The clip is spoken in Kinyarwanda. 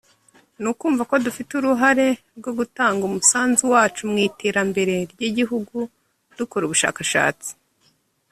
ni ukumva ko dufite uruhare rwo gutanga umusanzu wacu mu iterambere ry’igihugu dukora ubushakashatsi